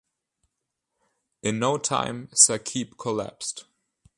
In no time Saqib collapsed.